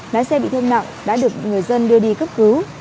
lái xe bị thương nặng đã được người dân đưa đi cấp cứu